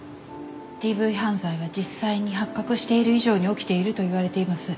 ＤＶ犯罪は実際に発覚している以上に起きているといわれています。